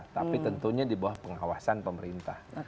tapi tentunya di bawah pengawasan pemerintah